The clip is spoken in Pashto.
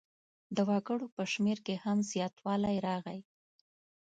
د وګړو په شمېر کې هم زیاتوالی راغی.